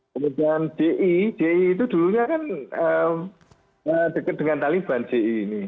kemudian ji ji itu dulunya kan dekat dengan taliban ji ini